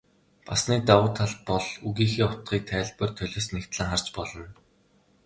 Бас нэг давуу тал бол үгийнхээ утгыг тайлбар толиос нягтлан харж болно.